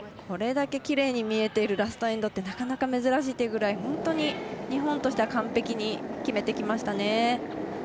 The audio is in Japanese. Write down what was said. これだけきれいに見えているラストエンドってなかなか珍しいってぐらい本当に日本としては完璧に決めてきましたね。